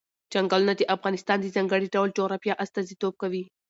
چنګلونه د افغانستان د ځانګړي ډول جغرافیه استازیتوب کوي.